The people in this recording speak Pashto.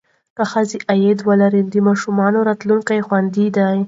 که ښځه عاید ولري، نو د ماشومانو راتلونکی خوندي دی.